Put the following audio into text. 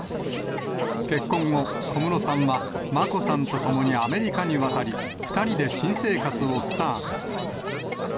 結婚後、小室さんは眞子さんと共にアメリカに渡り、２人で新生活をスタート。